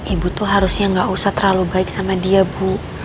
ibu tuh harusnya gak usah terlalu baik sama dia bu